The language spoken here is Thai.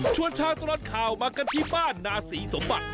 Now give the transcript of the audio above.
ชาวตลอดข่าวมากันที่บ้านนาศรีสมบัติ